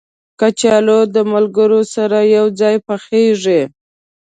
کچالو د ملګرو سره یو ځای پخېږي